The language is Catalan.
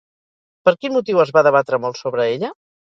Per quin motiu es va debatre molt sobre ella?